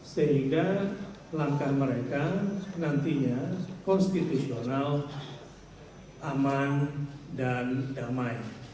sehingga langkah mereka nantinya konstitusional aman dan damai